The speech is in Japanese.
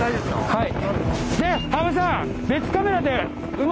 はい！